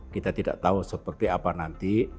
kita tidak tahu seperti apa nanti